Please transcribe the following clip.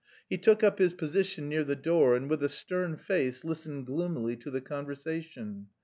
He took up his position near the door and with a stern face listened gloomily to the conversation.